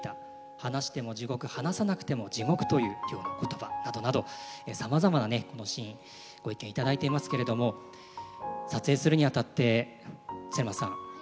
「『話しても地獄話さなくても地獄』という亮の言葉」などなどさまざまなねこのシーンご意見頂いていますけれども撮影するにあたって恒松さん。